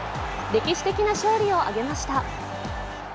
歴史的な勝利を挙げました。